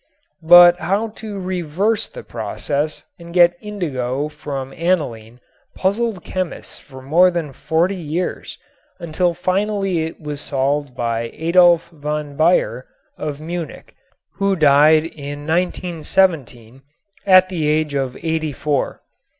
But how to reverse the process and get indigo from aniline puzzled chemists for more than forty years until finally it was solved by Adolf von Baeyer of Munich, who died in 1917 at the age of eighty four.